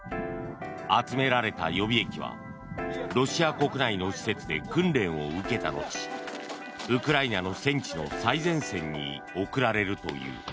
集められた予備役はロシア国内の施設で訓練を受けた後ウクライナの戦地の最前線に送られるという。